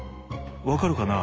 分かるかな。